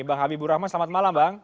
bang habibur rahman selamat malam bang